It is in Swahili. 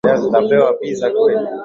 Alijishindia fedha taslimu milioni moja